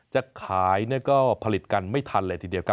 จะขายก็ผลิตกันไม่ทันเลยทีเดียวครับ